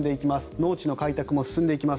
農地の開拓も進んでいきます